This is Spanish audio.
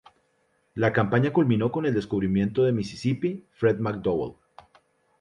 La campaña culminó con el descubrimiento de Mississippi Fred McDowell.